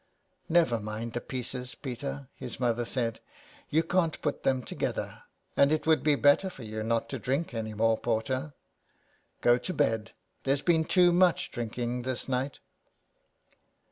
'' Never mind the pieces, Peter,'^ his mother said. ' You can't put them together ; and it would be better for you not to drink any more porter. Go to bed. There's been too much drinking this night."